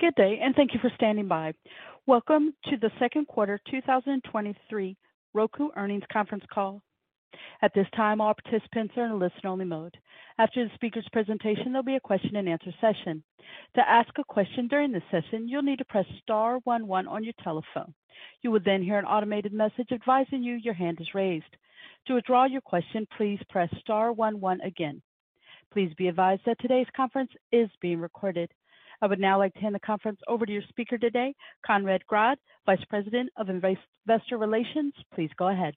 Good day, thank you for standing by. Welcome to the Second Quarter 2023 Roku Earnings Conference Call. At this time, all participants are in a listen-only mode. After the speaker's presentation, there'll be a question-and-answer session. To ask a question during this session, you'll need to press star one one on your telephone. You will hear an automated message advising you your hand is raised. To withdraw your question, please press star one one again. Please be advised that today's conference is being recorded. I would now like to hand the conference over to your speaker today, Conrad Grodd, Vice President of Investor Relations. Please go ahead.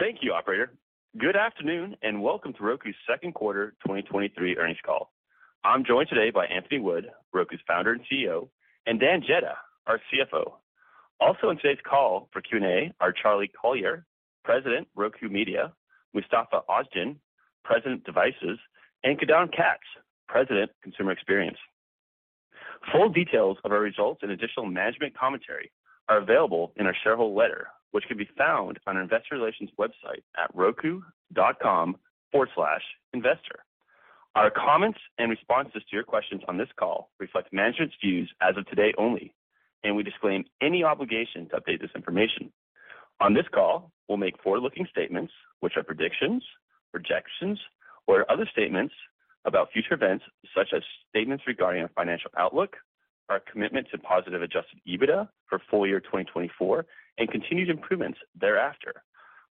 Thank you, operator. Good afternoon, and welcome to Roku's second quarter 2023 earnings call. I'm joined today by Anthony Wood, Roku's Founder and CEO, and Dan Jedda, our CFO. Also in today's call for Q&A are Charlie Collier, President, Roku Media, Mustafa Ozgen, President, Devices, and Gidon Katz, President, Consumer Experience. Full details of our results and additional management commentary are available in our shareholder letter, which can be found on our investor relations website at roku.com/investor. Our comments and responses to your questions on this call reflect management's views as of today only, and we disclaim any obligation to update this information. On this call, we'll make forward-looking statements, which are predictions, projections, or other statements about future events, such as statements regarding our financial outlook, our commitment to positive adjusted EBITDA for full year 2024, and continued improvements thereafter.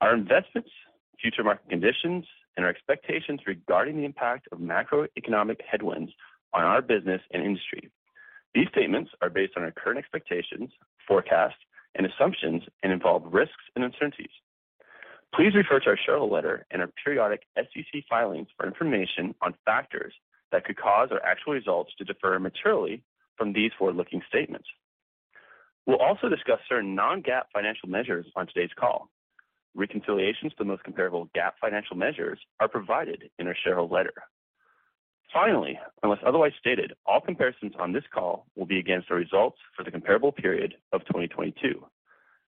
Our investments, future market conditions, and our expectations regarding the impact of macroeconomic headwinds on our business and industry. These statements are based on our current expectations, forecasts, and assumptions, and involve risks and uncertainties. Please refer to our shareholder letter and our periodic SEC filings for information on factors that could cause our actual results to differ materially from these forward-looking statements. We'll also discuss certain non-GAAP financial measures on today's call. Reconciliations to the most comparable GAAP financial measures are provided in our shareholder letter. Finally, unless otherwise stated, all comparisons on this call will be against our results for the comparable period of 2022.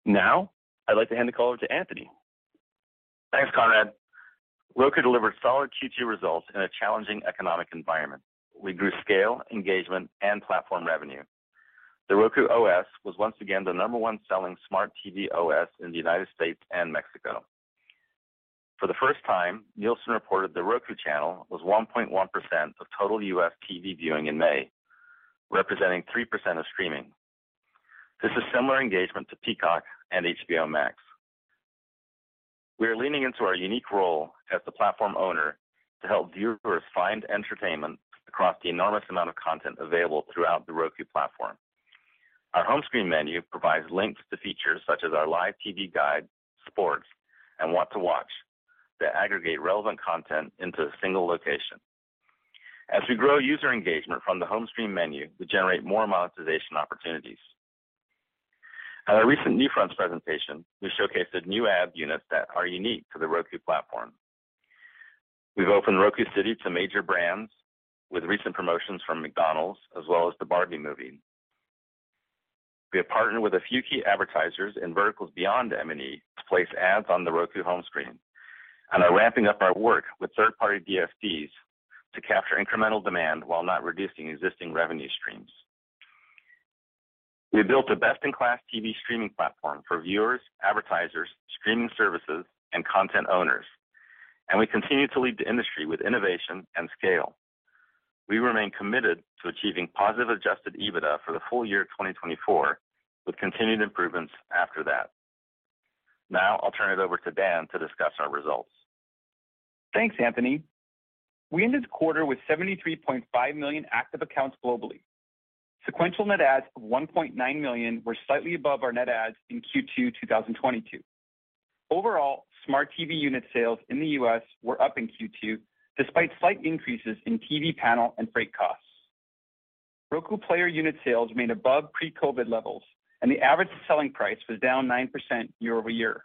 Now, I'd like to hand the call over to Anthony. Thanks, Conrad. Roku delivered solid Q2 results in a challenging economic environment. We grew scale, engagement, and platform revenue. The Roku OS was once again the number one selling smart TV OS in the United States and Mexico. For the first time, Nielsen reported The Roku Channel was 1.1% of total U.S. TV viewing in May, representing 3% of streaming. This is similar engagement to Peacock and HBO Max. We are leaning into our unique role as the platform owner to help viewers find entertainment across the enormous amount of content available throughout the Roku platform. Our home screen menu provides links to features such as our live TV guide, sports, and what to watch that aggregate relevant content into a single location. As we grow user engagement from the home screen menu, we generate more monetization opportunities. At our recent NewFronts presentation, we showcased new ad units that are unique to the Roku platform. We've opened Roku City to major brands with recent promotions from McDonald's, as well as the Barbie movie. We have partnered with a few key advertisers in verticals beyond M&E to place ads on the Roku home screen and are ramping up our work with third-party DSPs to capture incremental demand while not reducing existing revenue streams. We built a best-in-class TV streaming platform for viewers, advertisers, streaming services, and content owners, and we continue to lead the industry with innovation and scale. We remain committed to achieving positive adjusted EBITDA for the full year 2024, with continued improvements after that. Now I'll turn it over to Dan to discuss our results. Thanks, Anthony. We ended the quarter with 73.5 million active accounts globally. Sequential net adds of 1.9 million were slightly above our net adds in Q2 2022. Overall, smart TV unit sales in the U.S. were up in Q2, despite slight increases in TV panel and freight costs. Roku player unit sales remained above pre-COVID levels, and the average selling price was down 9% year-over-year.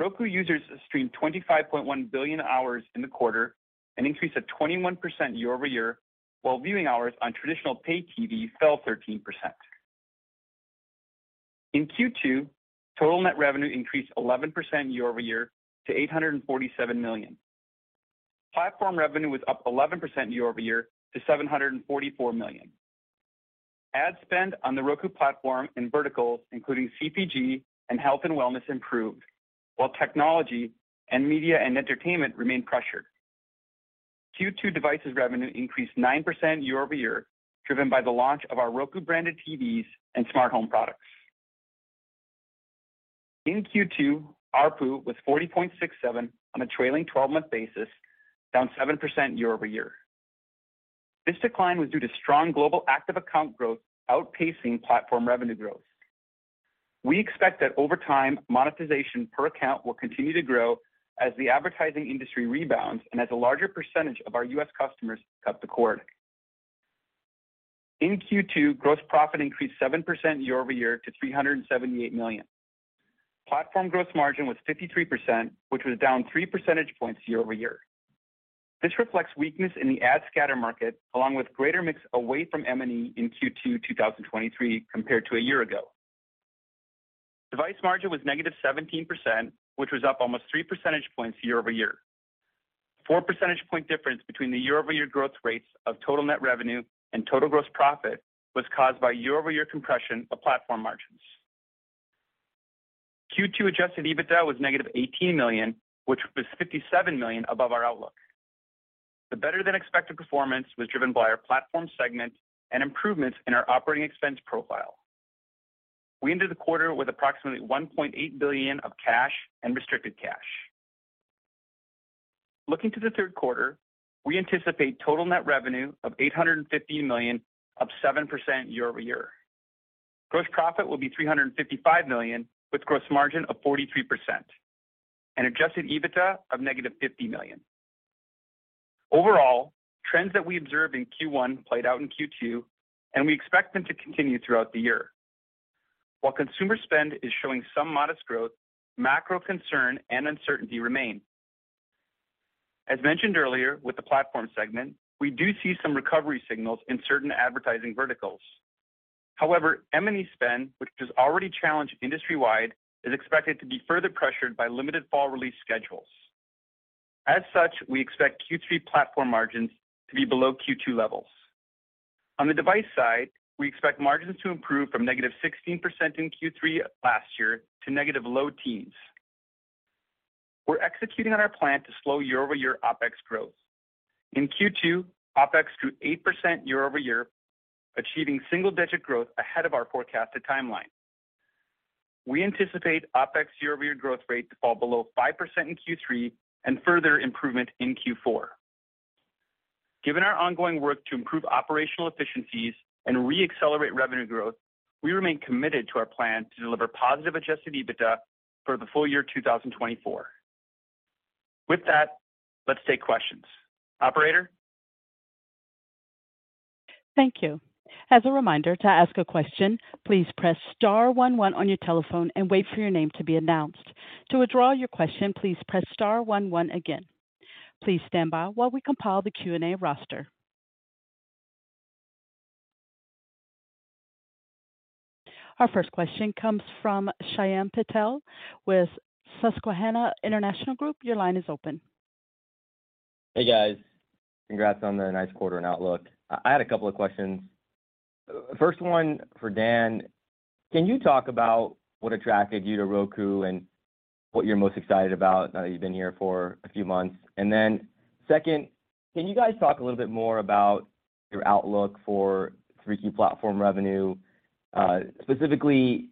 Roku users streamed 25.1 billion hours in the quarter, an increase of 21% year-over-year, while viewing hours on traditional paid TV fell 13%. In Q2, total net revenue increased 11% year-over-year to $847 million. Platform revenue was up 11% year-over-year to $744 million. Ad spend on the Roku platform in verticals, including CPG and health and wellness, improved, while technology and media and entertainment remained pressured. Q2 devices revenue increased 9% year-over-year, driven by the launch of our Roku-branded TVs and smart home products. In Q2, ARPU was $40.67 on a trailing twelve-month basis, down 7% year-over-year. This decline was due to strong global active account growth outpacing platform revenue growth. We expect that over time, monetization per account will continue to grow as the advertising industry rebounds and as a larger percentage of our U.S. customers cut the cord. In Q2, gross profit increased 7% year-over-year to $378 million. Platform gross margin was 53%, which was down 3 percentage points year-over-year. This reflects weakness in the ad scatter market, along with greater mix away from M&E in Q2 2023 compared to a year ago. Device margin was -17%, which was up almost 3 percentage points year-over-year. 4 percentage point difference between the year-over-year growth rates of total net revenue and total gross profit was caused by year-over-year compression of platform margins. Q2 adjusted EBITDA was -$18 million, which was $57 million above our outlook. The better-than-expected performance was driven by our platform segment and improvements in our operating expense profile. We ended the quarter with approximately $1.8 billion of cash and restricted cash. Looking to the third quarter, we anticipate total net revenue of $850 million, up 7% year-over-year. Gross profit will be $355 million, with gross margin of 43% and adjusted EBITDA of negative $50 million. Overall, trends that we observed in Q1 played out in Q2, and we expect them to continue throughout the year. While consumer spend is showing some modest growth, macro concern and uncertainty remain. As mentioned earlier, with the platform segment, we do see some recovery signals in certain advertising verticals. However, M&E spend, which is already challenged industry-wide, is expected to be further pressured by limited fall release schedules. As such, we expect Q3 platform margins to be below Q2 levels. On the device side, we expect margins to improve from negative 16% in Q3 last year to negative low teens. We're executing on our plan to slow year-over-year OpEx growth. In Q2, OpEx grew 8% year-over-year, achieving single-digit growth ahead of our forecasted timeline. We anticipate OpEx year-over-year growth rate to fall below 5% in Q3 and further improvement in Q4. Given our ongoing work to improve operational efficiencies and re-accelerate revenue growth, we remain committed to our plan to deliver positive adjusted EBITDA for the full year 2024. With that, let's take questions. Operator? Thank you. As a reminder, to ask a question, please press star one one on your telephone and wait for your name to be announced. To withdraw your question, please press star one one again. Please stand by while we compile the Q&A roster. Our first question comes from Shyam Patil with Susquehanna International Group. Your line is open. Hey, guys. Congrats on the nice quarter and outlook. I, I had a couple of questions. First one for Dan. Can you talk about what attracted you to Roku and what you're most excited about now that you've been here for a few months? Then second, can you guys talk a little bit more about your outlook for 3 key platform revenue, specifically,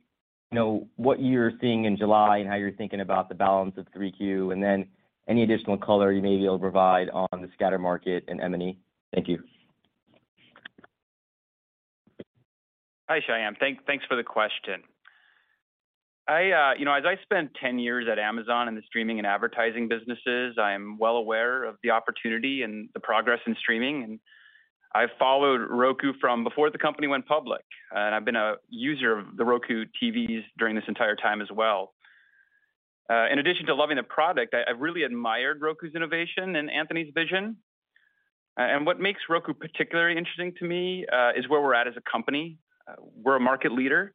you know, what you're seeing in July and how you're thinking about the balance of 3Q, then any additional color you may be able to provide on the scatter market and M&E? Thank you. Hi, Shyam. Thanks for the question. I, you know, as I spent 10 years at Amazon in the streaming and advertising businesses, I am well aware of the opportunity and the progress in streaming, and I followed Roku from before the company went public, and I've been a user of the Roku TVs during this entire time as well. In addition to loving the product, I've really admired Roku's innovation and Anthony's vision. What makes Roku particularly interesting to me, is where we're at as a company. We're a market leader.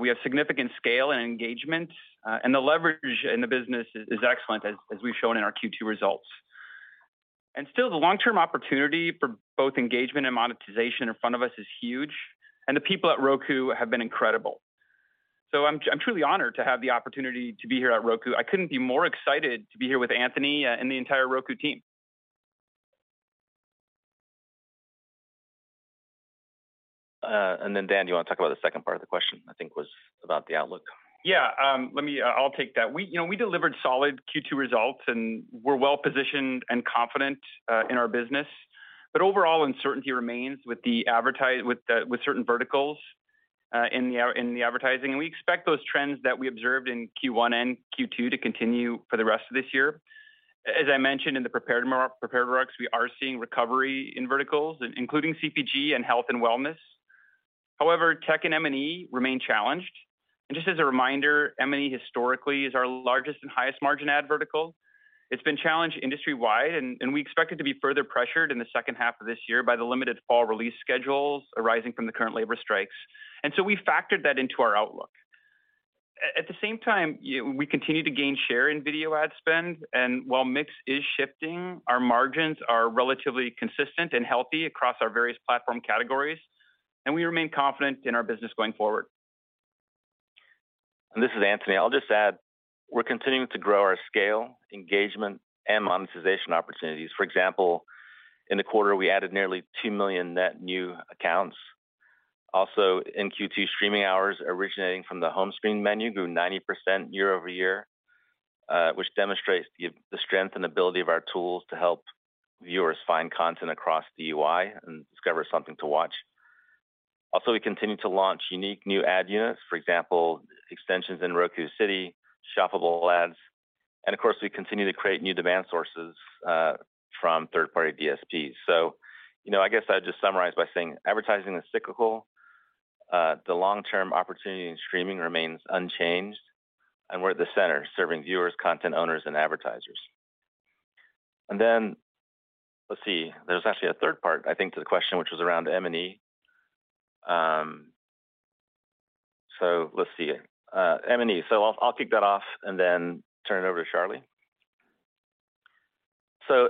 We have significant scale and engagement, and the leverage in the business is excellent, as we've shown in our Q2 results. Still, the long-term opportunity for both engagement and monetization in front of us is huge, and the people at Roku have been incredible. I'm truly honored to have the opportunity to be here at Roku. I couldn't be more excited to be here with Anthony and the entire Roku team. Then, Dan, do you want to talk about the second part of the question? I think was about the outlook. Yeah, I'll take that. We, you know, we delivered solid Q2 results, and we're well-positioned and confident in our business. Overall uncertainty remains with certain verticals in advertising, and we expect those trends that we observed in Q1 and Q2 to continue for the rest of this year. As I mentioned in the prepared remarks, we are seeing recovery in verticals, including CPG and health and wellness. However, tech and M&E remain challenged. Just as a reminder, M&E historically is our largest and highest margin ad vertical. It's been challenged industry-wide, and we expect it to be further pressured in the second half of this year by the limited fall release schedules arising from the current labor strikes. We factored that into our outlook. At the same time, we continue to gain share in video ad spend, and while mix is shifting, our margins are relatively consistent and healthy across our various platform categories, and we remain confident in our business going forward. This is Anthony. I'll just add, we're continuing to grow our scale, engagement, and monetization opportunities. For example, in the quarter, we added nearly 2 million net new accounts. Also, in Q2, streaming hours originating from the home screen menu grew 90% year-over-year, which demonstrates the strength and ability of our tools to help viewers find content across the UI and discover something to watch. Also, we continue to launch unique new ad units, for example, extensions in Roku City, shoppable ads, and of course, we continue to create new demand sources from third-party DSPs. You know, I guess I'd just summarize by saying advertising is cyclical, the long-term opportunity in streaming remains unchanged, and we're at the center, serving viewers, content owners, and advertisers. Then, let's see, there's actually a third part, I think, to the question, which was around M&E. So let's see, M&E. I'll, I'll kick that off and then turn it over to Charlie.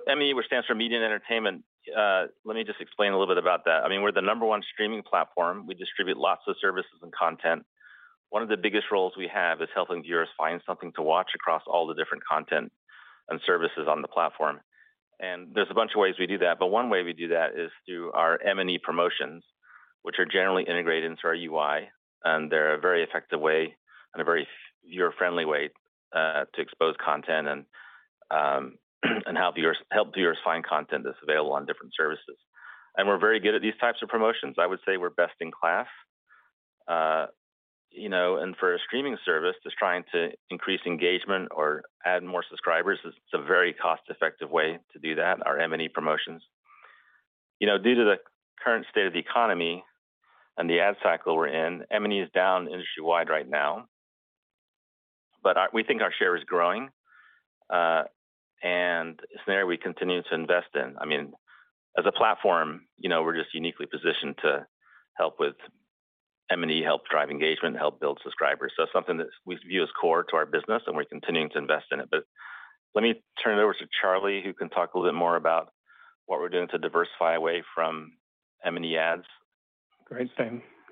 M&E, which stands for Media and Entertainment, let me just explain a little bit about that. I mean, we're the number one streaming platform. We distribute lots of services and content. One of the biggest roles we have is helping viewers find something to watch across all the different content and services on the platform. There's a bunch of ways we do that, but one way we do that is through our M&E promotions, which are generally integrated into our UI, and they're a very effective way and a very viewer-friendly way to expose content and, and help viewers, help viewers find content that's available on different services. We're very good at these types of promotions. I would say we're best in class. You know, for a streaming service, just trying to increase engagement or add more subscribers is a very cost-effective way to do that, our M&E promotions. You know, due to the current state of the economy and the ad cycle we're in, M&E is down industry-wide right now, we think our share is growing, and it's an area we continue to invest in. I mean, as a platform, you know, we're just uniquely positioned to help with M&E, help drive engagement, help build subscribers. Something that we view as core to our business, and we're continuing to invest in it. Let me turn it over to Charlie, who can talk a little bit more about what we're doing to diversify away from M&E ads. Great,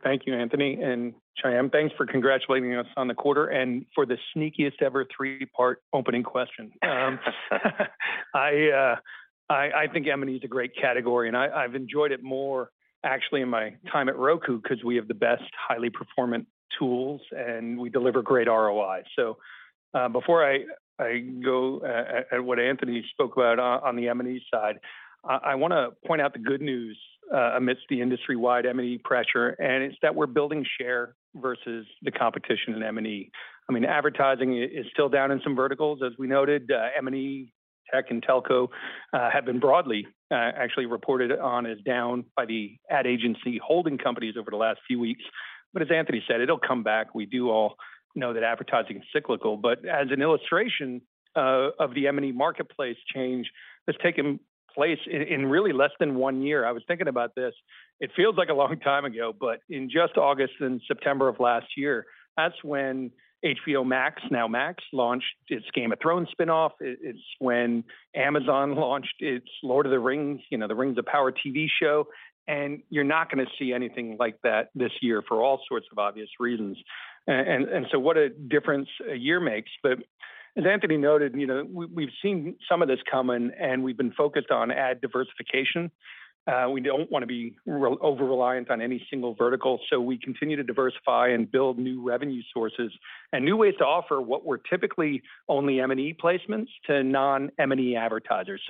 thank you, Anthony, and Shyam, thanks for congratulating us on the quarter and for the sneakiest ever three-part opening question. I think M&E is a great category, I've enjoyed it more actually in my time at Roku because we have the best highly performant tools, and we deliver great ROI. Before I go at what Anthony spoke about on the M&E side, I wanna point out the good news amidst the industry-wide M&E pressure, it's that we're building share versus the competition in M&E. I mean, advertising is still down in some verticals. As we noted, M&E, tech, and telco have been broadly actually reported on as down by the ad agency holding companies over the last few weeks. As Anthony said, it'll come back. We do all know that advertising is cyclical, but as an illustration of the M&E marketplace change that's taken place in, in really less than one year, I was thinking about this. It feels like a long time ago, but in just August and September of last year, that's when HBO Max, now Max, launched its Game of Thrones spin-off. It, it's when Amazon launched its Lord of the Rings, you know, The Rings of Power TV show, you're not gonna see anything like that this year for all sorts of obvious reasons. What a difference a year makes. As Anthony noted, you know, we, we've seen some of this coming, and we've been focused on ad diversification. We don't wanna be over-reliant on any single vertical, so we continue to diversify and build new revenue sources and new ways to offer what were typically only M&E placements to non-M&E advertisers.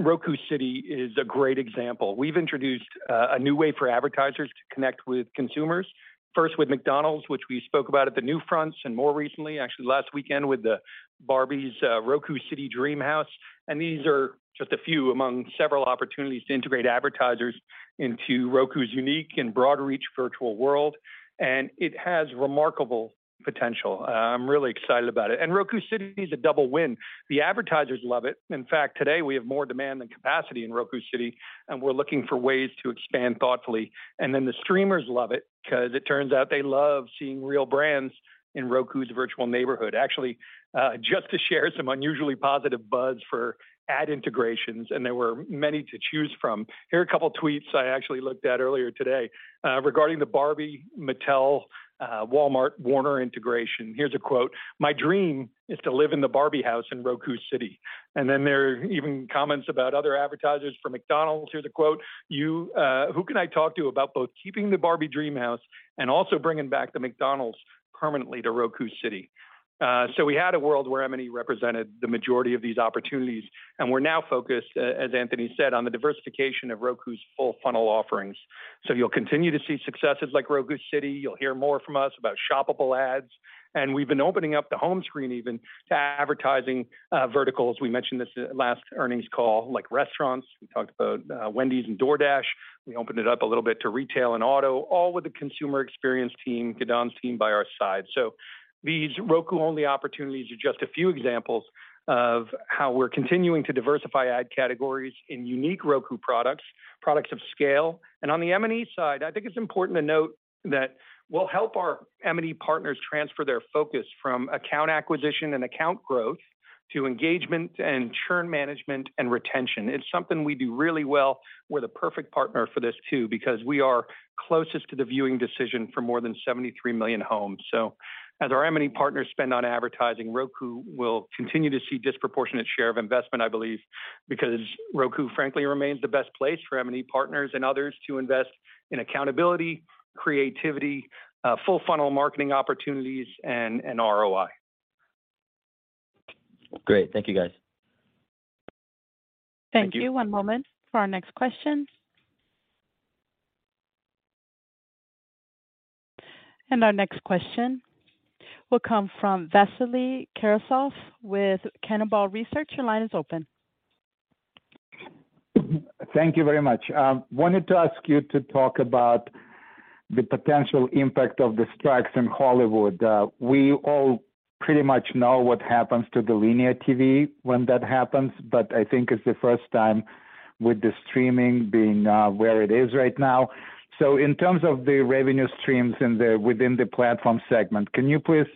Roku City is a great example. We've introduced a new way for advertisers to connect with consumers, first with McDonald's, which we spoke about at the NewFronts, and more recently, actually last weekend, with the Barbie's Roku City Dream House. These are just a few among several opportunities to integrate advertisers into Roku's unique and broad-reach virtual world, and it has remarkable potential. I'm really excited about it. Roku City is a double win. The advertisers love it. In fact, today we have more demand than capacity in Roku City, and we're looking for ways to expand thoughtfully. The streamers love it because it turns out they love seeing real brands in Roku's virtual neighborhood. Actually, just to share some unusually positive buzz for ad integrations, there were many to choose from. Here are a couple of tweets I actually looked at earlier today, regarding the Barbie, Mattel, Walmart, Warner integration. Here's a quote: "My dream is to live in the Barbie house in Roku City." There are even comments about other advertisers. From McDonald's, here's a quote: "You, who can I talk to about both keeping the Barbie Dream House and also bringing back the McDonald's permanently to Roku City?" We had a world where M&E represented the majority of these opportunities, we're now focused, as Anthony said, on the diversification of Roku's full funnel offerings. You'll continue to see successes like Roku City. You'll hear more from us about shoppable ads, and we've been opening up the home screen even to advertising verticals. We mentioned this at last earnings call, like restaurants. We talked about Wendy's and DoorDash. We opened it up a little bit to retail and auto, all with the consumer experience team, Gidon's team, by our side. These Roku-only opportunities are just a few examples of how we're continuing to diversify ad categories in unique Roku products, products of scale. On the M&E side, I think it's important to note that we'll help our M&E partners transfer their focus from account acquisition and account growth to engagement and churn management and retention. It's something we do really well. We're the perfect partner for this too, because we are closest to the viewing decision for more than 73 million homes. As our M&E partners spend on advertising, Roku will continue to see disproportionate share of investment, I believe, because Roku, frankly, remains the best place for M&E partners and others to invest in accountability, creativity, full funnel marketing opportunities, and, and ROI. Great. Thank you, guys. Thank you. One moment for our next question. Our next question will come from Vasily Karasyov with Cannonball Research. Your line is open. Thank you very much. wanted to ask you to talk about the potential impact of the strikes in Hollywood. We all pretty much know what happens to the linear TV when that happens, I think it's the first time with the streaming being where it is right now. In terms of the revenue streams in the, within the platform segment, can you please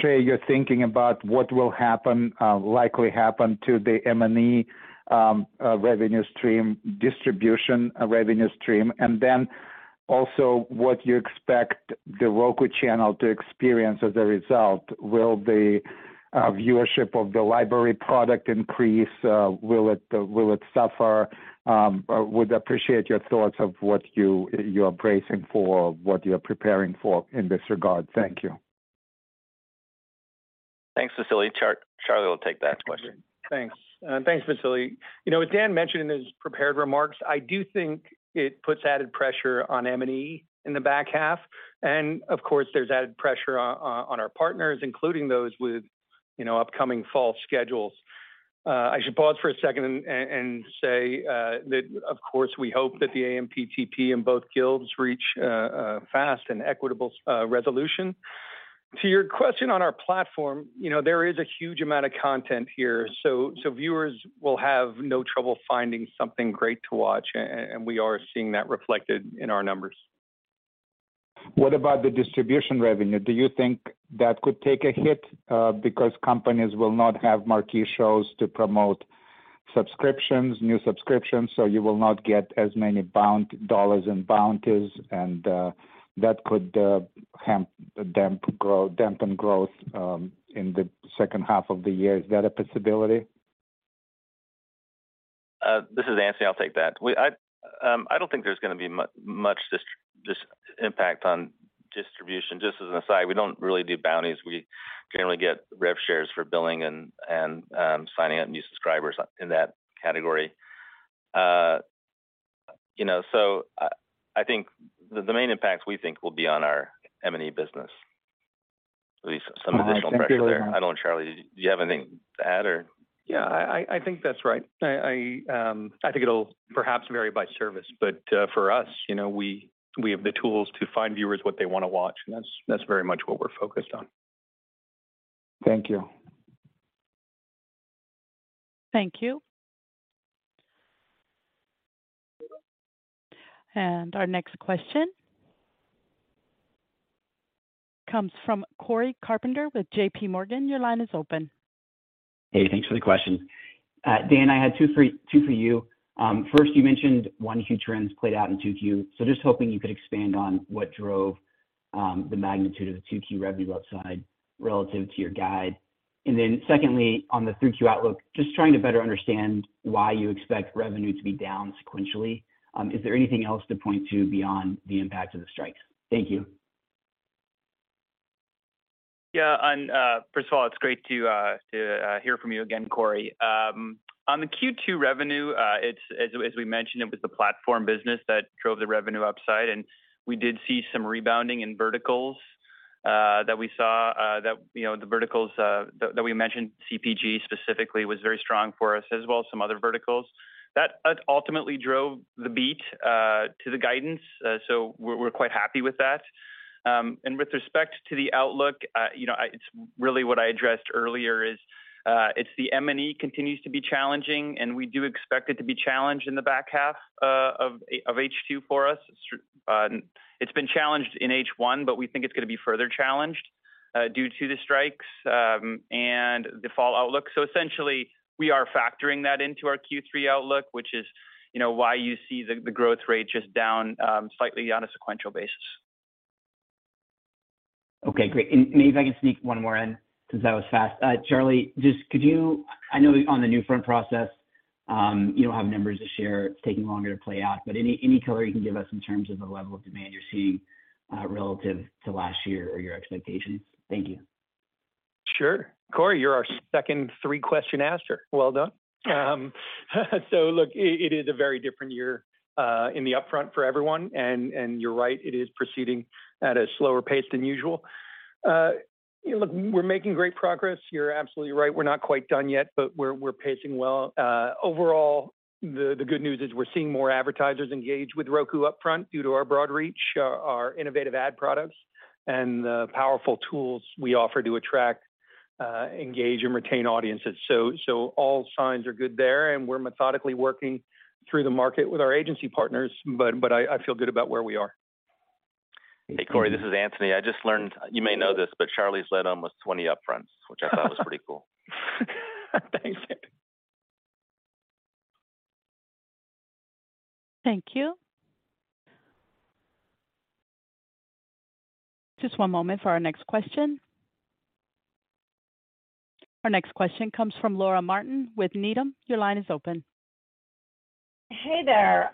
share your thinking about what will happen, likely happen to the M&E revenue stream, distribution revenue stream? Then also, what you expect The Roku Channel to experience as a result. Will the viewership of the library product increase? Will it, will it suffer? Would appreciate your thoughts of what you, you're bracing for, what you're preparing for in this regard. Thank you. Thanks, Vasily. Charlie will take that question. Thanks. Thanks, Vasily. You know, as Dan mentioned in his prepared remarks, I do think it puts added pressure on M&E in the back half. Of course, there's added pressure on, on, on our partners, including those with, you know, upcoming fall schedules. I should pause for a second and, and, and say, that, of course, we hope that the AMPTP and both guilds reach a, a fast and equitable, resolution. To your question on our platform, you know, there is a huge amount of content here, so, so viewers will have no trouble finding something great to watch, and we are seeing that reflected in our numbers. What about the distribution revenue? Do you think that could take a hit, because companies will not have marquee shows to promote subscriptions, new subscriptions, so you will not get as many bound dollars and bounties, and, that could dampen growth in the second half of the year. Is that a possibility? This is Anthony. I'll take that. I don't think there's gonna be much impact on distribution. Just as an aside, we don't really do bounties. We generally get rev shares for billing and signing up new subscribers in that category. You know, I think the main impact we think will be on our M&E business, at least some additional pressure there. Thank you very much. I don't know, Charlie, do you have anything to add or? Yeah, I, think that's right. it'll perhaps vary by service, but, for us, you know, we, we have the tools to find viewers what they want to watch, and that's, that's very much what we're focused on. Thank you. Thank you. Our next question comes from Cory Carpenter with J.P. Morgan. Your line is open. Hey, thanks for the question. Dan, I had two for, two for you. First, you mentioned one, huge trends played out in 2Q, so just hoping you could expand on what drove, the magnitude of the 2Q revenue upside relative to your guide. Secondly, on the 3Q outlook, just trying to better understand why you expect revenue to be down sequentially. Is there anything else to point to beyond the impact of the strikes? Thank you. First of all, it's great to hear from you again, Cory. On the Q2 revenue, it's as we mentioned, it was the platform business that drove the revenue upside, and we did see some rebounding in verticals that we saw that, you know, the verticals that we mentioned, CPG specifically, was very strong for us, as well as some other verticals. That ultimately drove the beat to the guidance, so we're quite happy with that. With respect to the outlook, you know, it's really what I addressed earlier is, it's the M&E continues to be challenging, and we do expect it to be challenged in the back half of H2 for us. It's been challenged in H1, but we think it's gonna be further challenged due to the strikes, and the fall outlook. Essentially, we are factoring that into our Q3 outlook, which is, you know, why you see the, the growth rate just down slightly on a sequential basis. Okay, great. Maybe if I can sneak one more in, since I was fast. Charlie, just could you... I know on the NewFronts process, you don't have numbers to share. It's taking longer to play out, but any, any color you can give us in terms of the level of demand you're seeing, relative to last year or your expectations? Thank you. Sure. Cory, you're our second three-question asker. Well done. Look, it, it is a very different year in the upfront for everyone, and, and you're right, it is proceeding at a slower pace than usual. Look, we're making great progress. You're absolutely right. We're not quite done yet, but we're, we're pacing well. Overall, the, the good news is we're seeing more advertisers engage with Roku upfront due to our broad reach, our innovative ad products, and the powerful tools we offer to attract, engage and retain audiences. So all signs are good there, and we're methodically working through the market with our agency partners, but, but I, I feel good about where we are. Hey, Cory, this is Anthony. I just learned, you may know this, but Charlie's led almost 20 upfronts, which I thought was pretty cool. Thanks, Anthony. Thank you. Just one moment for our next question. Our next question comes from Laura Martin with Needham. Your line is open. Hey there.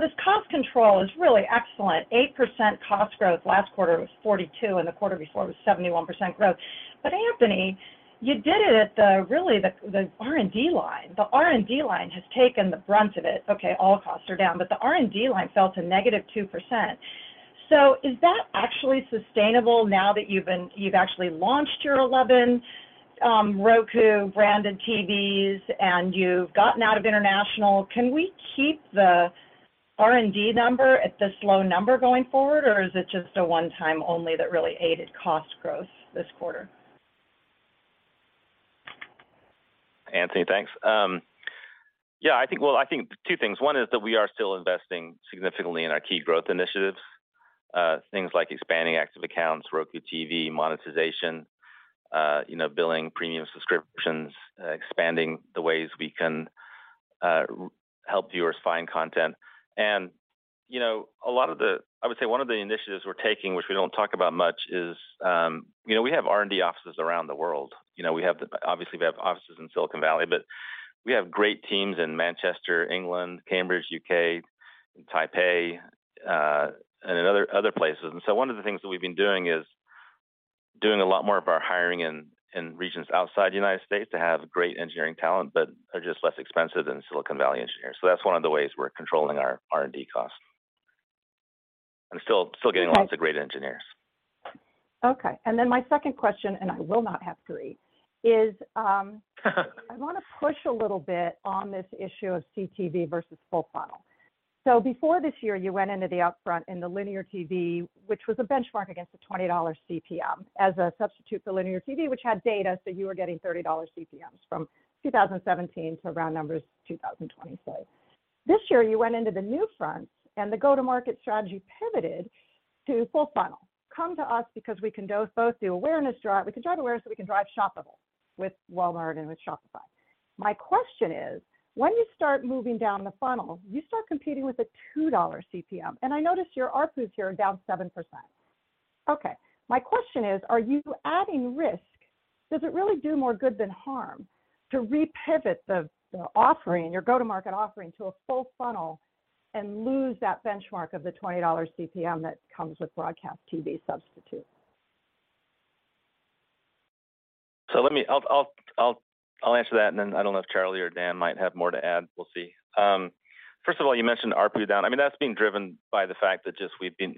This cost control is really excellent. 8% cost growth. Last quarter, it was 42, and the quarter before, it was 71% growth. Anthony, you did it at the, really, the, the R&D line. The R&D line has taken the brunt of it. Okay, all costs are down, but the R&D line fell to -2%. Is that actually sustainable now that you've actually launched your 11? Roku-branded TVs, and you've gotten out of international. Can we keep the R&D number at this low number going forward, or is it just a one-time only that really aided cost growth this quarter? Anthony, thanks. Yeah, I think, well, I think two things. One is that we are still investing significantly in our key growth initiatives. Things like expanding active accounts, Roku TV, monetization, you know, billing premium subscriptions, expanding the ways we can help viewers find content. You know, a lot of the- I would say one of the initiatives we're taking, which we don't talk about much, is, you know, we have R&D offices around the world. You know, obviously, we have offices in Silicon Valley, but we have great teams in Manchester, England, Cambridge, UK, in Taipei, and in other, other places. One of the things that we've been doing is doing a lot more of our hiring in, in regions outside the United States to have great engineering talent, but are just less expensive than Silicon Valley engineers. That's one of the ways we're controlling our R&D costs. Still, still getting lots of great engineers. Okay. My second question, and I will not have three, is, I wanna push a little bit on this issue of CTV versus full funnel. So before this year, you went into the upfront in the linear TV, which was a benchmark against a $20 CPM as a substitute for linear TV, which had data, so you were getting $30 CPMs from 2017 to round numbers 2025. This year, you went into the NewFront, and the go-to-market strategy pivoted to full funnel. Come to us because we can do both the awareness drive- we can drive awareness, so we can drive shoppable with Walmart and with Shopify. My question is: When you start moving down the funnel, you start competing with a $2 CPM, and I noticed your ARPU here are down 7%. Okay, my question is: Are you adding risk? Does it really do more good than harm to re-pivot the, the offering, your go-to-market offering, to a full funnel and lose that benchmark of the $20 CPM that comes with broadcast TV substitute? Let me I'll answer that, and then I don't know if Charlie or Dan might have more to add. We'll see. First of all, you mentioned ARPU down. I mean, that's being driven by the fact that just we've been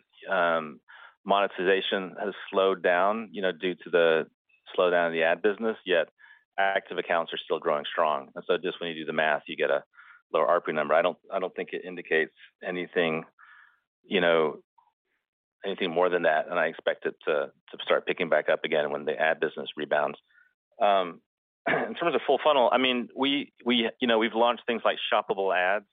monetization has slowed down, you know, due to the slowdown in the ad business, yet active accounts are still growing strong. Just when you do the math, you get a lower ARPU number. I don't think it indicates anything, you know, anything more than that. I expect it to start picking back up again when the ad business rebounds. In terms of full funnel, I mean, you know, we've launched things like shoppable ads,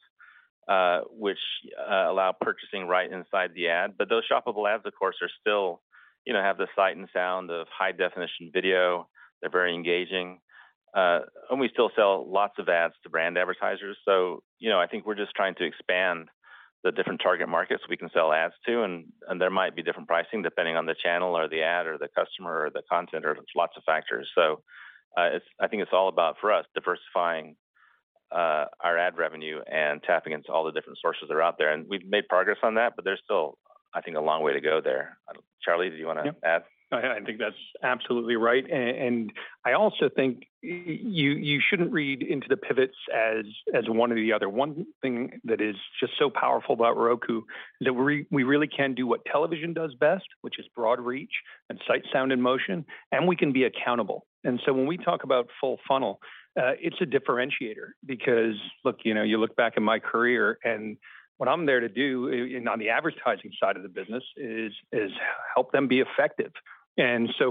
which allow purchasing right inside the ad. Those shoppable ads, of course, are still, you know, have the sight and sound of high-definition video. They're very engaging, and we still sell lots of ads to brand advertisers. You know, I think we're just trying to expand the different target markets we can sell ads to, and there might be different pricing, depending on the channel or the ad or the customer or the content or lots of factors. I think it's all about, for us, diversifying our ad revenue and tapping into all the different sources that are out there. We've made progress on that, but there's still, I think, a long way to go there. Charlie, do you wanna add? Yeah, I think that's absolutely right. I also think you, you shouldn't read into the pivots as, as one or the other. One thing that is just so powerful about Roku is that we, we really can do what television does best, which is broad reach and sight, sound, and motion, and we can be accountable. When we talk about full funnel, it's a differentiator because, look, you know, you look back in my career, and what I'm there to do in on the advertising side of the business is, is help them be effective.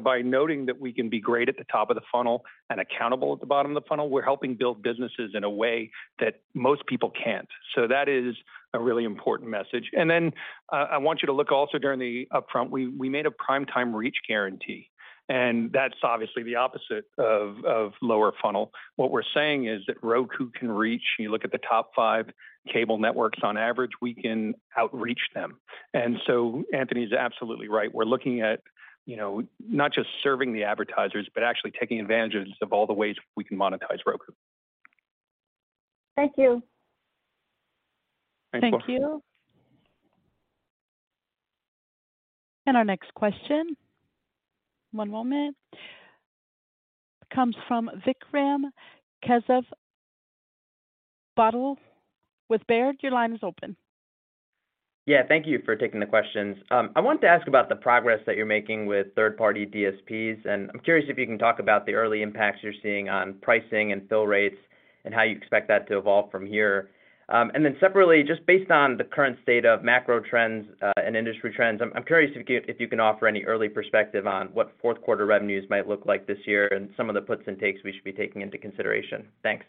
By noting that we can be great at the top of the funnel and accountable at the bottom of the funnel, we're helping build businesses in a way that most people can't. That is a really important message. I want you to look also during the upfront, we, we made a prime-time reach guarantee, that's obviously the opposite of, of lower funnel. What we're saying is that Roku can reach. You look at the top five cable networks. On average, we can outreach them. Anthony is absolutely right. We're looking at, you know, not just serving the advertisers, but actually taking advantage of all the ways we can monetize Roku. Thank you. Thank you. Thank you. Our next question, one moment, comes from Vikram Kesavabhotla with Baird. Your line is open. Yeah, thank you for taking the questions. I wanted to ask about the progress that you're making with third-party DSPs, and I'm curious if you can talk about the early impacts you're seeing on pricing and fill rates and how you expect that to evolve from here. Then separately, just based on the current state of macro trends and industry trends, I'm curious if you can offer any early perspective on what fourth quarter revenues might look like this year and some of the puts and takes we should be taking into consideration. Thanks.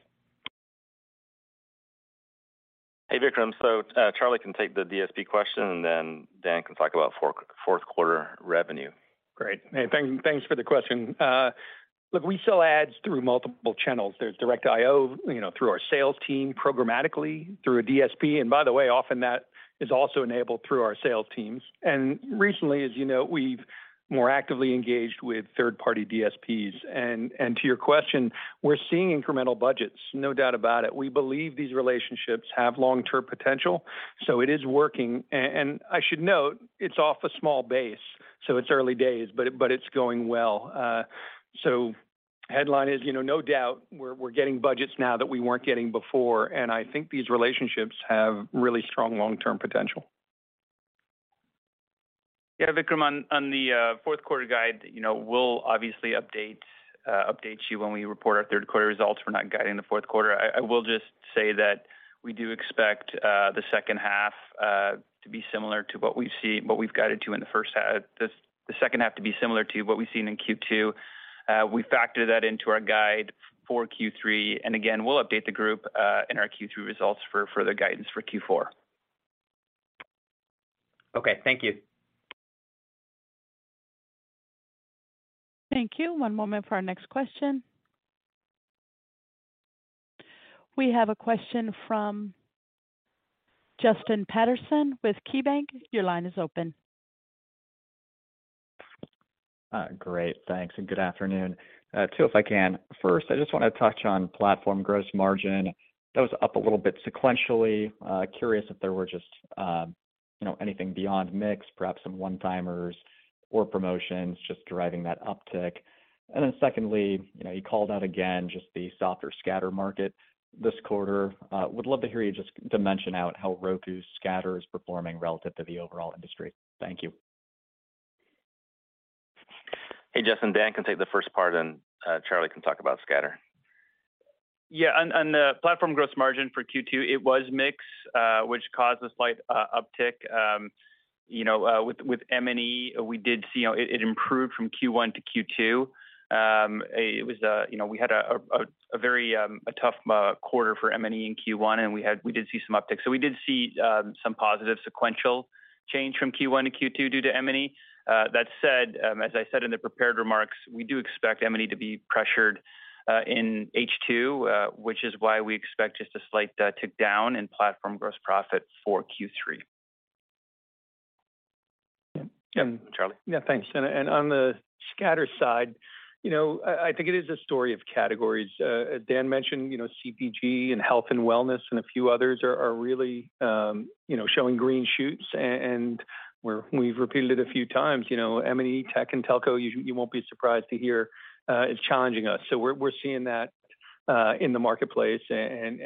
Hey, Vikram. Charlie can take the DSP question, and then Dan can talk about fourth quarter revenue. Great. Hey, thanks for the question. Look, we sell ads through multiple channels. There's direct IO, you know, through our sales team, programmatically, through a DSP, and by the way, often that is also enabled through our sales teams. Recently, as you know, we've more actively engaged with third-party DSPs. To your question, we're seeing incremental budgets, no doubt about it. We believe these relationships have long-term potential, so it is working. I should note, it's off a small base, so it's early days, but it's going well. Headline is, you know, no doubt we're getting budgets now that we weren't getting before. I think these relationships have really strong long-term potential. Yeah, Vikram, on, on the fourth quarter guide, you know, we'll obviously update, update you when we report our third quarter results. We're not guiding the fourth quarter. I, I will just say that we do expect the second half to be similar to what we've guided to in the first half. The second half to be similar to what we've seen in Q2. We factor that into our guide for Q3, and again, we'll update the group in our Q3 results for further guidance for Q4. Okay, thank you. Thank you. One moment for our next question. We have a question from Justin Patterson with KeyBank. Your line is open. Great, thanks, good afternoon. Two, if I can. First, I just wanna touch on platform gross margin. That was up a little bit sequentially. Curious if there were just, you know, anything beyond mix, perhaps some one-timers or promotions, just driving that uptick. Secondly, you know, you called out again, just the softer scatter market this quarter. Would love to hear you just to mention out how Roku scatter is performing relative to the overall industry. Thank you. Hey, Justin, Dan can take the first part. Charlie can talk about scatter. Yeah, on, on the platform gross margin for Q2, it was mix, which caused a slight uptick. With M&E, we did see, you know, it improved from Q1 to Q2. It was a, you know, we had a very tough quarter for M&E in Q1, and we did see some uptick. We did see some positive sequential change from Q1 to Q2 due to M&E. That said, as I said in the prepared remarks, we do expect M&E to be pressured in H2, which is why we expect just a slight tick down in platform gross profit for Q3. Yeah, Charlie? Yeah, thanks. On the scatter side, you know, I, I think it is a story of categories. As Dan mentioned, you know, CPG and health and wellness, and a few others are, are really, you know, showing green shoots, and we've repeated it a few times. You know, M&E, tech, and telco, you, you won't be surprised to hear, is challenging us. We're, we're seeing that in the marketplace, and,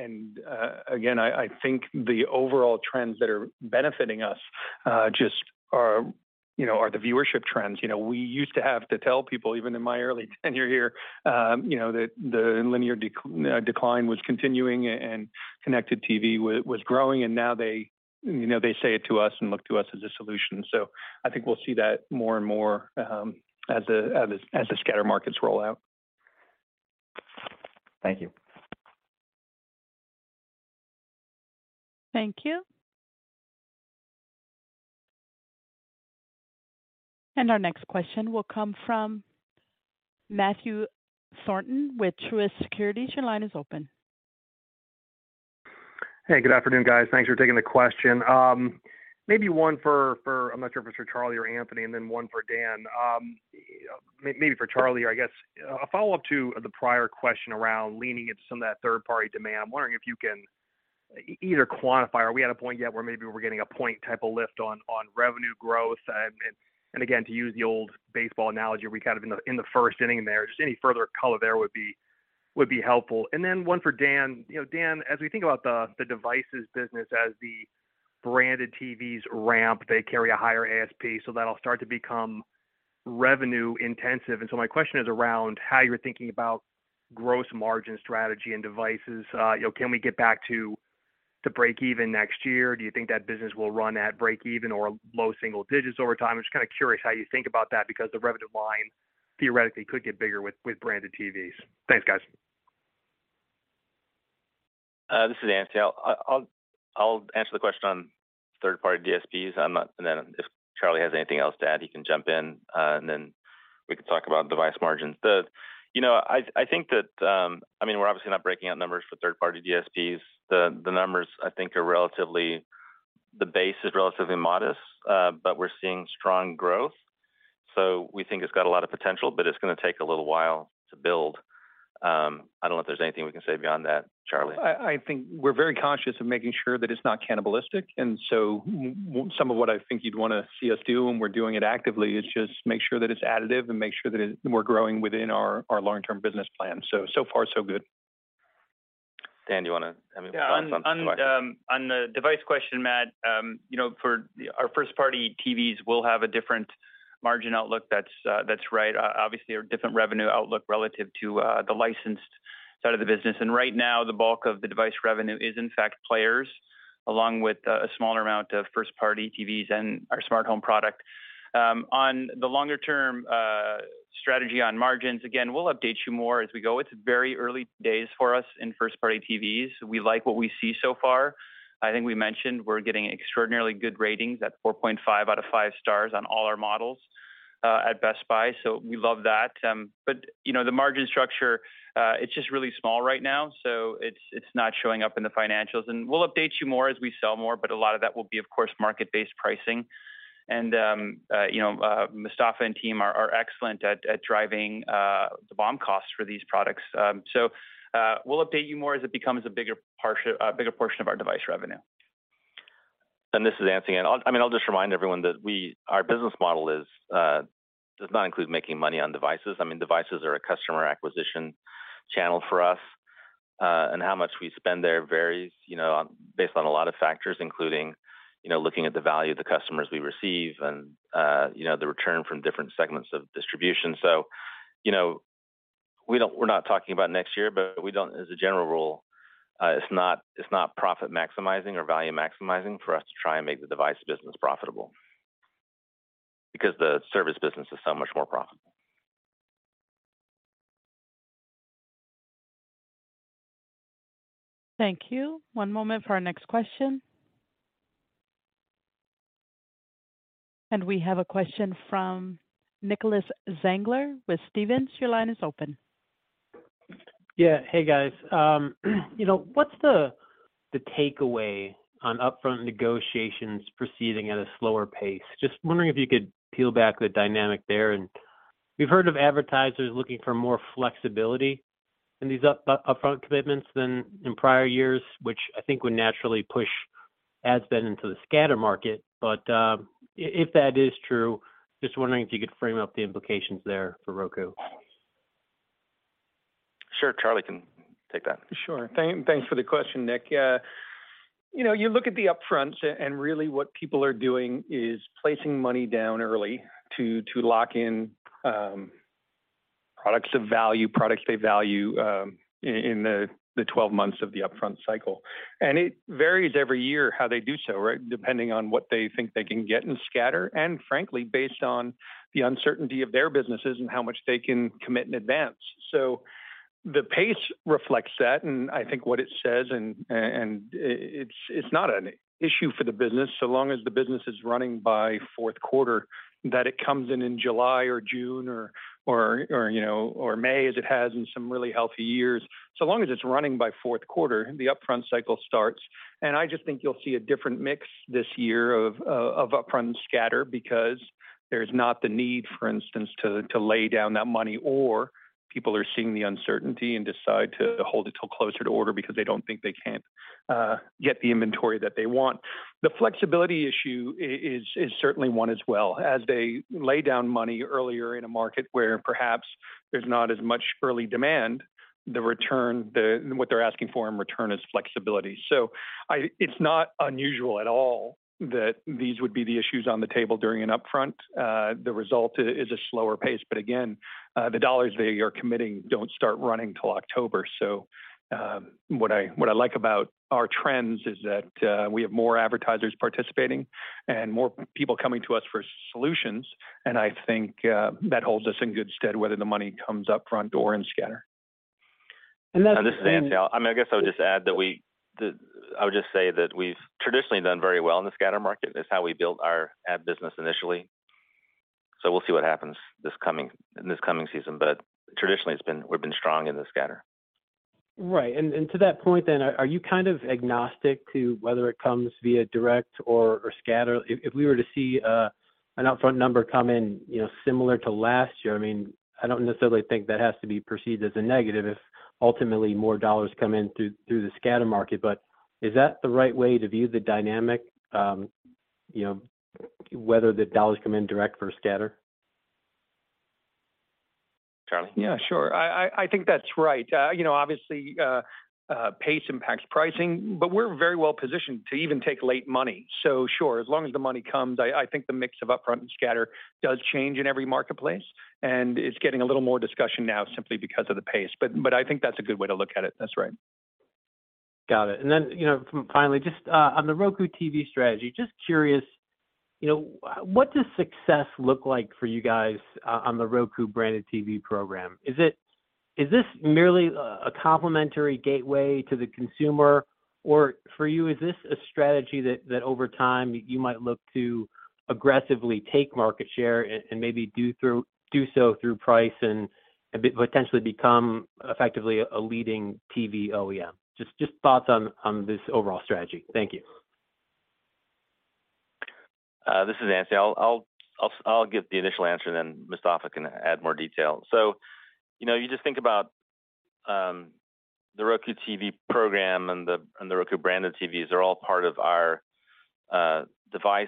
again, I, I think the overall trends that are benefiting us, just are, you know, are the viewership trends. You know, we used to have to tell people, even in my early tenure here, you know, that the linear decline was continuing and connected TV was growing, and now they, you know, they say it to us and look to us as a solution. I think we'll see that more and more as the scatter markets roll out. Thank you. Thank you. Our next question will come from Matthew Thornton with Truist Securities. Your line is open. Hey, good afternoon, guys. Thanks for taking the question. Maybe one for, for, I'm not sure if it's for Charlie or Anthony, and then one for Dan. Maybe for Charlie, I guess. A follow-up to the prior question around leaning into some of that third-party demand. I'm wondering if you can either quantify, are we at a point yet where maybe we're getting a point type of lift on, on revenue growth? And again, to use the old baseball analogy, are we kind of in the, in the first inning there? Just any further color there would be, would be helpful. Then one for Dan. You know, Dan, as we think about the, the devices business as the branded TVs ramp, they carry a higher ASP, so that'll start to become revenue intensive. My question is around how you're thinking about gross margin strategy and devices. You know, can we get back to breakeven next year? Do you think that business will run at breakeven or low single digits over time? I'm just kind of curious how you think about that because the revenue line theoretically could get bigger with branded TVs. Thanks, guys. This is Anthony. I'll, I'll, I'll answer the question on third-party DSPs. I'm not... If Charlie has anything else to add, he can jump in, and then we can talk about device margins. You know, I, I think that, I mean, we're obviously not breaking out numbers for third-party DSPs. The, the numbers, I think, are relatively, the base is relatively modest, but we're seeing strong growth, so we think it's got a lot of potential, but it's gonna take a little while to build. I don't know if there's anything we can say beyond that, Charlie. I, I think we're very conscious of making sure that it's not cannibalistic, and so w- some of what I think you'd wanna see us do, and we're doing it actively, is just make sure that it's additive and make sure that it- we're growing within our, our long-term business plan. So far, so good. Dan, do you wanna, I mean, comment on devices? Yeah. On the, on the device question, Matt, you know, for our first-party TVs will have a different margin outlook. That's, that's right. Obviously, a different revenue outlook relative to the licensed side of the business. Right now, the bulk of the device revenue is, in fact, players, along with a smaller amount of first-party TVs and our smart home product. On the longer-term, strategy on margins, again, we'll update you more as we go. It's very early days for us in first-party TVs. We like what we see so far. I think we mentioned we're getting extraordinarily good ratings at 4.5 out of 5 stars on all our models, at Best Buy, so we love that. You know, the margin structure, it's just really small right now, so it's, it's not showing up in the financials, and we'll update you more as we sell more, but a lot of that will be, of course, market-based pricing. You know, Mustafa and team are, are excellent at, at driving the BOM costs for these products. We'll update you more as it becomes a bigger portion of our device revenue. This is Anthony. I'll, I mean, I'll just remind everyone that our business model does not include making money on devices. I mean, devices are a customer acquisition channel for us. How much we spend there varies, you know, based on a lot of factors, including, you know, looking at the value of the customers we receive and, you know, the return from different segments of distribution. You know, we're not talking about next year, but we don't, as a general rule, it's not, it's not profit maximizing or value maximizing for us to try and make the device business profitable. The service business is so much more profitable. Thank you. One moment for our next question. We have a question from Nicholas Zangler with Stephens. Your line is open. Yeah. Hey, guys. You know, what's the, the takeaway on upfront negotiations proceeding at a slower pace? Just wondering if you could peel back the dynamic there. We've heard of advertisers looking for more flexibility in these upfront commitments than in prior years, which I think would naturally push ad spend into the scatter market. If that is true, just wondering if you could frame up the implications there for Roku. Sure. Charlie can take that. Sure. Thanks for the question, Nick. you know, you look at the upfronts, and really what people are doing is placing money down early to, to lock in, products of value, products they value, in the 12 months of the upfront cycle. It varies every year how they do so, right? Depending on what they think they can get in scatter, and frankly, based on the uncertainty of their businesses and how much they can commit in advance. The pace reflects that, and I think what it says, and, it's, it's not an issue for the business, so long as the business is running by fourth quarter, that it comes in in July or June or, you know, or May, as it has in some really healthy years. Long as it's running by fourth quarter, the upfront cycle starts. I just think you'll see a different mix this year of upfront and scatter because there's not the need, for instance, to, to lay down that money, or people are seeing the uncertainty and decide to hold it till closer to order because they don't think they can get the inventory that they want. The flexibility issue is certainly one as well. As they lay down money earlier in a market where perhaps there's not as much early demand, the return, what they're asking for in return is flexibility. It's not unusual at all that these would be the issues on the table during an upfront. The result is a slower pace, but again, the dollars they are committing don't start running till October. What I, what I like about our trends is that we have more advertisers participating and more people coming to us for solutions, and I think that holds us in good stead, whether the money comes upfront or in scatter. That's. This is Anthony. I mean, I would just say that we've traditionally done very well in the scatter market. It's how we built our ad business initially. We'll see what happens in this coming season. Traditionally, we've been strong in the scatter. Right. To that point then, are you kind of agnostic to whether it comes via direct or scatter? If we were to see an upfront number come in, you know, similar to last year, I mean, I don't necessarily think that has to be perceived as a negative if ultimately more dollars come in through the scatter market, but is that the right way to view the dynamic, you know, whether the dollars come in direct or scatter? Charlie? Yeah, sure. I, I, I think that's right. you know, obviously, pace impacts pricing, but we're very well positioned to even take late money. Sure, as long as the money comes, I, I think the mix of upfront and scatter does change in every marketplace, and it's getting a little more discussion now simply because of the pace. I think that's a good way to look at it. That's right. Got it. Then, you know, finally, just on the Roku TV strategy, just curious, you know, what does success look like for you guys on the Roku-branded TV program? Is this merely a, a complimentary gateway to the consumer? For you, is this a strategy that, that over time, you might look to aggressively take market share and, and maybe do so through price and, and potentially become effectively a leading TV OEM? Just, just thoughts on, on this overall strategy. Thank you. This is Anthony. I'll give the initial answer, then Mustafa can add more detail. You know, you just think about the Roku TV program and the Roku-branded TVs are all part of our device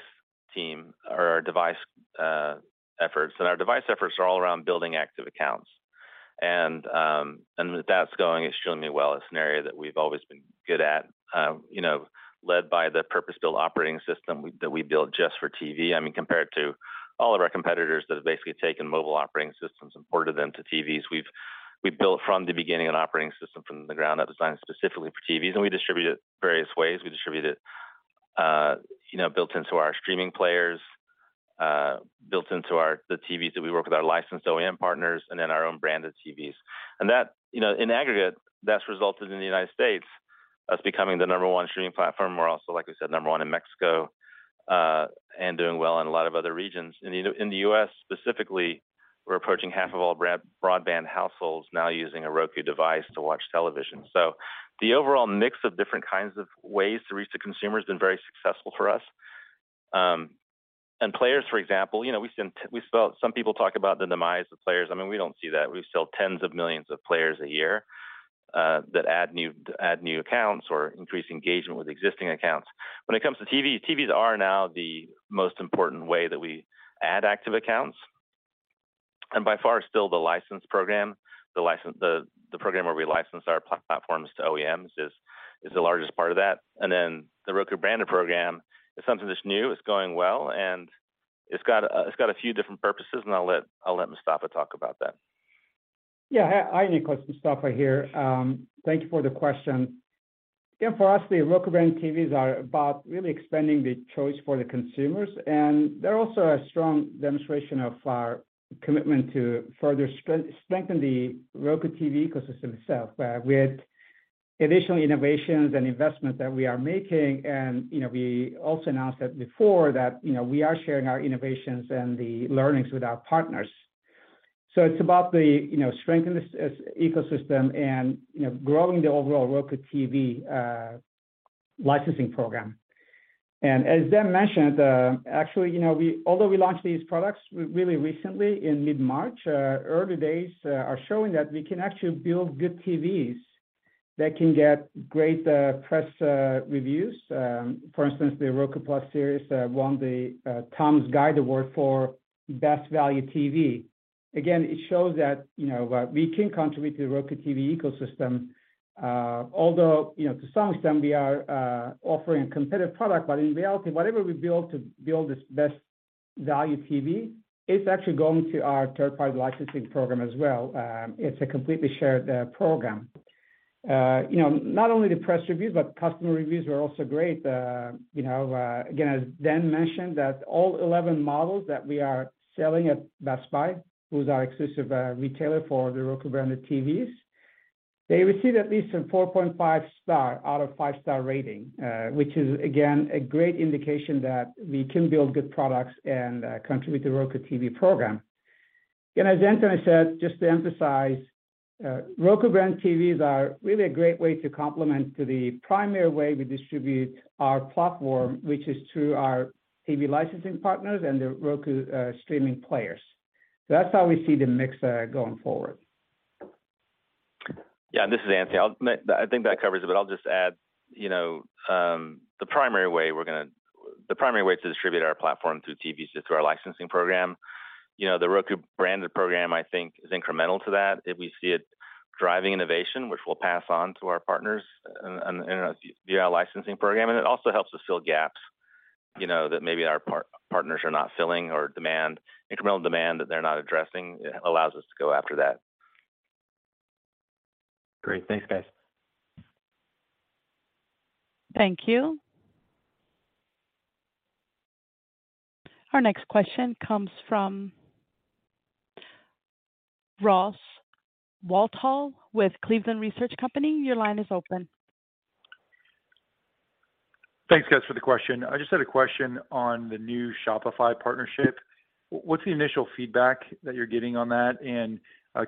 team or our device efforts. Our device efforts are all around building active accounts. That's going extremely well. It's an area that we've always been good at, you know, led by the purpose-built operating system that we built just for TV. I mean, compared to all of our competitors that have basically taken mobile operating systems and ported them to TVs, we've, we've built from the beginning, an operating system from the ground up, designed specifically for TVs, and we distribute it various ways. We distribute it, you know, built into our streaming players, built into our the TVs that we work with, our licensed OEM partners, and then our own branded TVs. That, you know, in aggregate, that's resulted in the United States, us becoming the number one streaming platform. We're also, like I said, number one in Mexico, and doing well in a lot of other regions. In the US specifically, we're approaching half of all broadband households now using a Roku device to watch television. The overall mix of different kinds of ways to reach the consumer has been very successful for us. Players, for example, you know, we saw some people talk about the demise of players. I mean, we don't see that. We sell tens of millions of players a year that add new, add new accounts or increase engagement with existing accounts. When it comes to TVs, TVs are now the most important way that we add active accounts. By far, still the program where we license our platforms to OEMs is the largest part of that. The Roku-branded program is something that's new, it's going well, and it's got a few different purposes, I'll let Mustafa talk about that. Yeah. Hi, Nicholas. Mustafa here. Thank you for the question. Again, for us, the Roku-branded TVs are about really expanding the choice for the consumers, and they're also a strong demonstration of our commitment to further strengthen the Roku TV ecosystem itself, with additional innovations and investments that we are making. You know, we also announced that before that, you know, we are sharing our innovations and the learnings with our partners. It's about the, you know, strengthen this, this ecosystem and, you know, growing the overall Roku TV licensing program. As Dan Jedda mentioned, actually, you know, although we launched these products really recently in mid-March, early days, are showing that we can actually build good TVs that can get great press reviews. For instance, the Roku Plus Series won the Tom's Guide Award for Best Value TV. Again, it shows that, you know, we can contribute to the Roku TV ecosystem, although, you know, to some extent we are offering a competitive product. But in reality, whatever we build to build this Best Value TV, it's actually going to our third-party licensing program as well. It's a completely shared program. You know, not only the press reviews, but customer reviews are also great. you know, again, as Dan mentioned, that all 11 models that we are selling at Best Buy, who's our exclusive retailer for the Roku-branded TVs, they received at least a 4.5-star out of 5-star rating, which is, again, a great indication that we can build good products and contribute to Roku TV program. As Anthony said, just to emphasize, Roku-branded TVs are really a great way to complement to the primary way we distribute our platform, which is through our TV licensing partners and the Roku streaming players. That's how we see the mix going forward. Yeah, this is Anthony. I'll I think that covers it, but I'll just add, you know, the primary way to distribute our platform through TV is just through our licensing program. You know, the Roku-branded program, I think, is incremental to that. If we see it driving innovation, which we'll pass on to our partners and, you know, via our licensing program. It also helps us fill gaps, you know, that maybe our partners are not filling or demand, incremental demand that they're not addressing, it allows us to go after that. Great. Thanks, guys. Thank you. Our next question comes from Ross Walthall with Cleveland Research Company. Your line is open. Thanks, guys, for the question. I just had a question on the new Shopify partnership. What's the initial feedback that you're getting on that?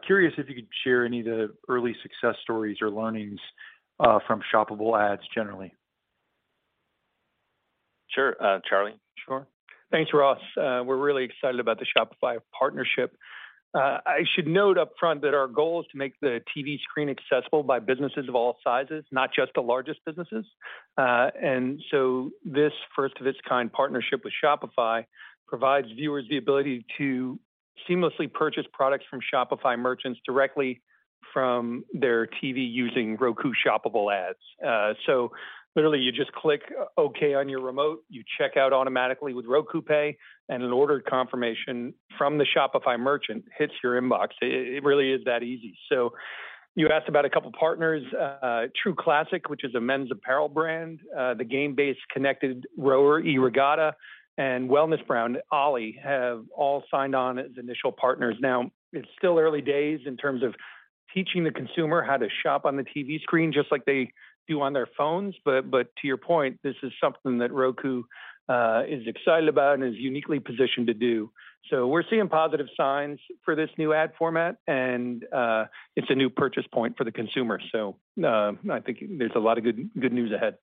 Curious if you could share any of the early success stories or learnings from shoppable ads generally. Sure, Charlie? Sure. Thanks, Ross. We're really excited about the Shopify partnership. I should note upfront that our goal is to make the TV screen accessible by businesses of all sizes, not just the largest businesses. This first-of-its-kind partnership with Shopify provides viewers the ability to seamlessly purchase products from Shopify merchants directly from their TV using Roku Action Ads. Literally, you just click Okay on your remote, you check out automatically with Roku Pay, and an order confirmation from the Shopify merchant hits your inbox. It, it really is that easy. You asked about a couple partners, True Classic, which is a men's apparel brand, the game-based connected rower, Ergatta, and wellness brand, OLLY, have all signed on as initial partners. Now, it's still early days in terms of teaching the consumer how to shop on the TV screen, just like they do on their phones. To your point, this is something that Roku is excited about and is uniquely positioned to do. We're seeing positive signs for this new ad format, and it's a new purchase point for the consumer. I think there's a lot of good, good news ahead.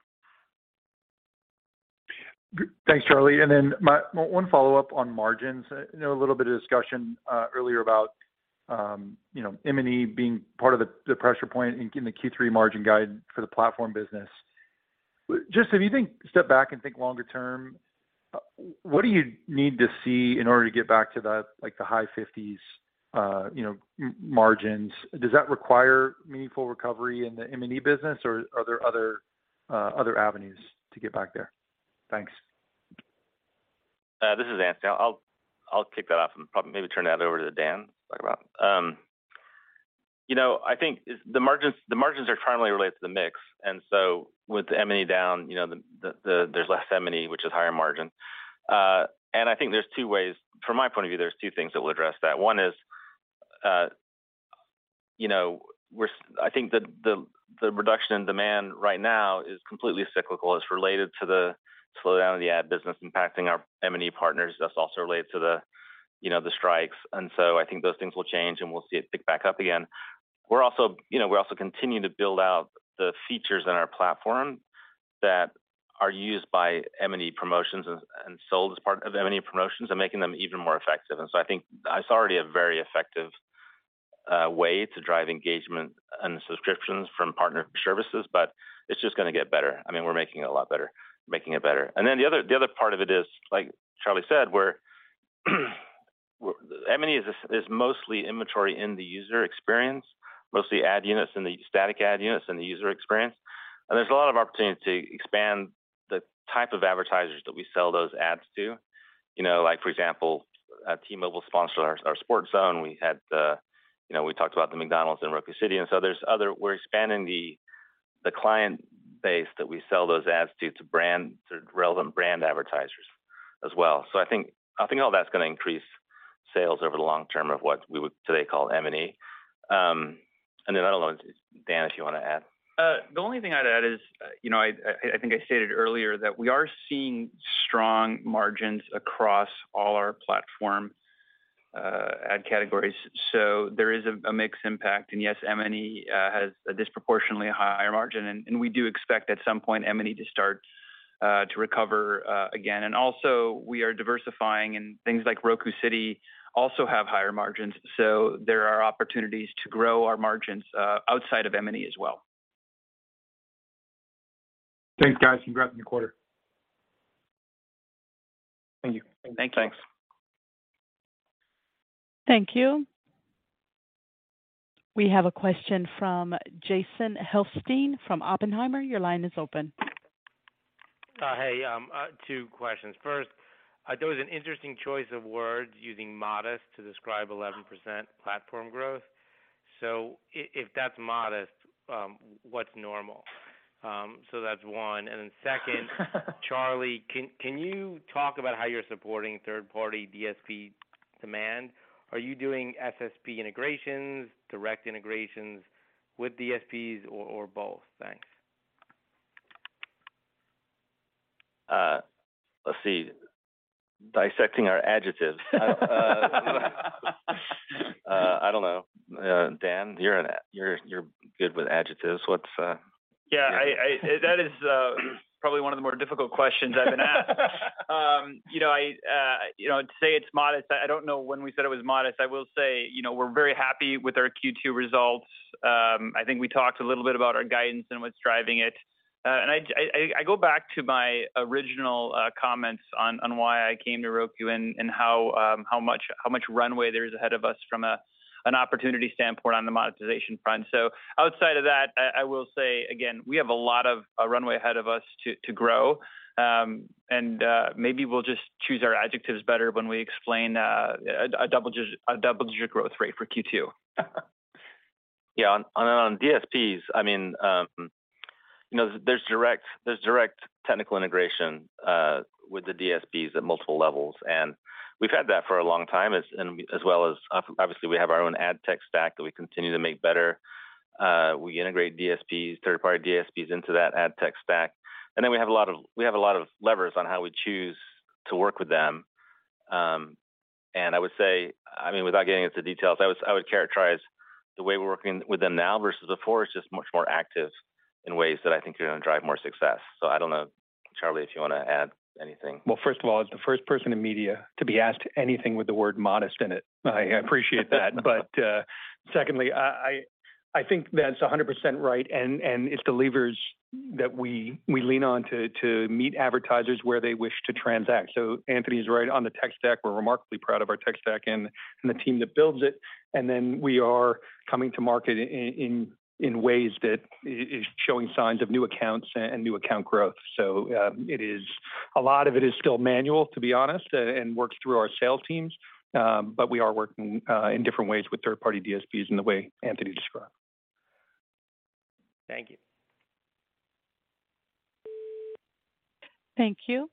Thanks, Charlie. My one follow-up on margins. I know a little bit of discussion earlier about, you know, M&E being part of the pressure point in the Q3 margin guide for the platform business. Just if you think, step back and think longer term, what do you need to see in order to get back to that, like the high 50s, you know, margins? Does that require meaningful recovery in the M&E business, or are there other avenues to get back there? Thanks. This is Anthony. I'll kick that off and probably maybe turn that over to Dan to talk about. You know, I think the margins, the margins are primarily related to the mix, and so with the M&E down, you know, there's less M&E, which is higher margin. I think there's two ways. From my point of view, there's two things that will address that. One is, you know, I think the reduction in demand right now is completely cyclical. It's related to the slowdown of the ad business impacting our M&A partners. That's also related to the, you know, the strikes. I think those things will change, and we'll see it pick back up again. We're also, you know, we're also continuing to build out the features in our platform that are used by M&E promotions and, and sold as part of M&E promotions and making them even more effective. I think it's already a very effective way to drive engagement and subscriptions from partner services, but it's just gonna get better. I mean, we're making it a lot better, making it better. The other, the other part of it is, like Charlie said, we're, M&E is, is mostly inventory in the user experience, mostly ad units and the static ad units in the user experience. There's a lot of opportunity to expand the type of advertisers that we sell those ads to. You know, like, for example, T-Mobile sponsor our, our Sports Zone. We had, you know, we talked about the McDonald's and Roku City, and so there's other we're expanding the, the client base that we sell those ads to, to brand, to relevant brand advertisers as well. I think, I think all that's gonna increase sales over the long term of what we would today call M&E. I don't know, Dan, if you wanna add. The only thing I'd add is, you know, I, I, I think I stated earlier that we are seeing strong margins across all our platform ad categories. There is a, a mixed impact. Yes, M&E has a disproportionately higher margin, and, and we do expect at some point M&E to start to recover again. Also we are diversifying, and things like Roku City also have higher margins, so there are opportunities to grow our margins outside of M&E as well. Thanks, guys, and congrats on the quarter. Thank you. Thank you. Thanks. Thank you. We have a question from Jason Helfstein from Oppenheimer. Your line is open. Hey, two questions. First, that was an interesting choice of words, using modest to describe 11% platform growth. If that's modest, what's normal? That's one. Second- Charlie, can you talk about how you're supporting third-party DSP demand? Are you doing SSP integrations, direct integrations with DSPs, or both? Thanks. Let's see. Dissecting our adjectives. I don't know. Dan, you're good with adjectives. What's. Yeah, I, I, that is probably one of the more difficult questions I've been asked. You know, I, you know, to say it's modest, I don't know when we said it was modest. I will say, you know, we're very happy with our Q2 results. I think we talked a little bit about our guidance and what's driving it. I, I go back to my original comments on why I came to Roku and how much, how much runway there is ahead of us from an opportunity standpoint on the monetization front. Outside of that, I, I will say again, we have a lot of runway ahead of us to grow. Maybe we'll just choose our adjectives better when we explain a double-digit growth rate for Q2. Yeah, on, on, on DSPs, I mean, you know, there's direct, there's direct technical integration with the DSPs at multiple levels, and we've had that for a long time. As, and, as well as, obviously, we have our own ad tech stack that we continue to make better. We integrate DSPs, third-party DSPs into that ad tech stack. Then we have a lot of, we have a lot of levers on how we choose to work with them. I would say, I mean, without getting into details, I would, I would characterize the way we're working with them now versus before is just much more active in ways that I think are gonna drive more success. I don't know, Charlie, if you wanna add anything. First of all, as the first person in media to be asked anything with the word modest in it, I appreciate that. Secondly, I, I, I think that's 100% right, and, and it's the levers that we, we lean on to, to meet advertisers where they wish to transact. Anthony's right on the tech stack. We're remarkably proud of our tech stack and, and the team that builds it. Then we are coming to market in ways that is showing signs of new accounts and, and new account growth. It is. A lot of it is still manual, to be honest, and works through our sales teams, but we are working in different ways with third-party DSPs in the way Anthony described. Thank you. Thank you.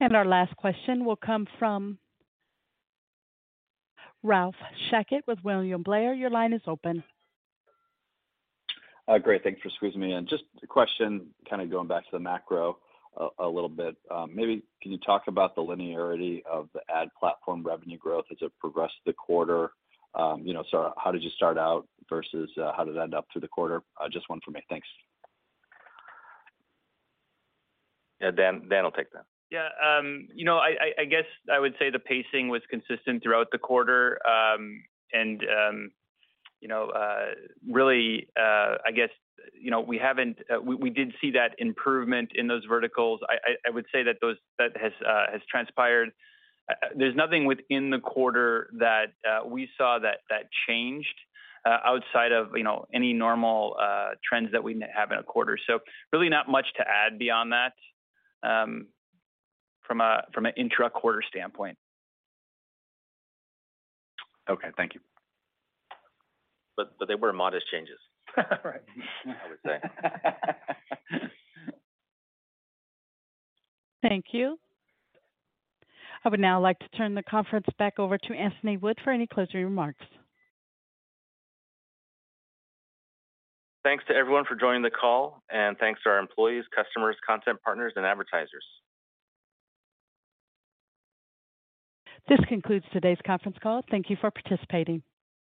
Our last question will come from Ralph Schackart with William Blair. Your line is open. Great. Thank you for squeezing me in. Just a question, kind of going back to the macro a little bit. Maybe can you talk about the linearity of the ad platform revenue growth as it progressed the quarter? You know, how did you start out versus, how did it end up through the quarter? Just one for me. Thanks. Yeah, Dan, Dan will take that. Yeah, you know, I, I, I guess I would say the pacing was consistent throughout the quarter. You know, really, I guess, you know, we haven't... We, we did see that improvement in those verticals. I, I, I would say that those, that has transpired. There's nothing within the quarter that we saw that, that changed outside of, you know, any normal trends that we have in a quarter. Really not much to add beyond that from a, from an intra-quarter standpoint. Okay. Thank you. But they were modest changes. Right. I would say. Thank you. I would now like to turn the conference back over to Anthony Wood for any closing remarks. Thanks to everyone for joining the call, and thanks to our employees, customers, content partners, and advertisers. This concludes today's conference call. Thank you for participating.